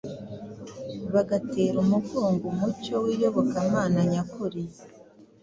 bagatera umugongo umucyo w’iyobokamana nyakuri.